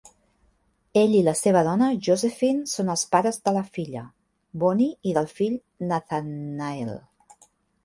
Ell i la seva dona, Josephine, són els pares de la filla, Bonnie i del fill, Nathanael.